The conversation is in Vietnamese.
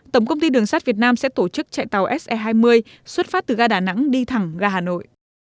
tổng công ty đường sắt việt nam sẽ tổ chức chạy tàu se hai mươi xuất phát từ ga đà nẵng đi thẳng ra hà nội